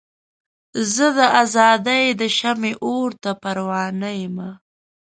زه د ازادۍ د شمعې اور ته پروانه یمه.